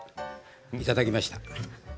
いただきました。